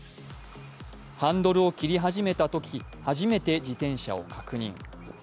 ハンドルを切り始めたとき初めて自転車を確認。